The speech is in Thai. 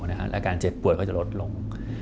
และอาการเจ็บป่วยก็จะลดลง